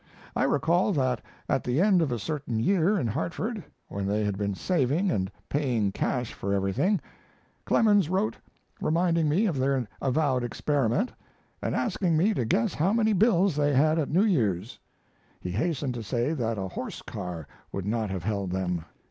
I recall that at the end of a certain year in Hartford, when they had been saving and paying cash for everything, Clemens wrote, reminding me of their avowed experiment, and asking me to guess how many bills they had at New Year's; he hastened to say that a horse car would not have held them.